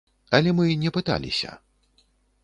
Але мы не пыталіся.